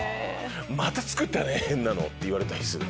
またつくったね変なの！って言われたいです。